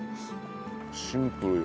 シンプルよ